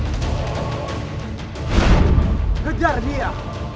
dan mengejar dia